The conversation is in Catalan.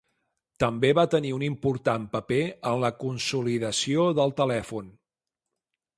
També va tenir un important paper en la consolidació del telèfon.